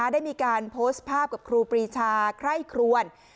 ได้มีการโพสต์ภาพกับครูปรีชาไคร่ครวน